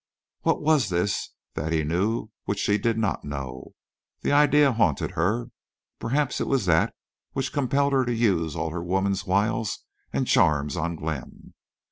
What was this that he knew which she did not know? The idea haunted her. Perhaps it was that which compelled her to use all her woman's wiles and charms on Glenn.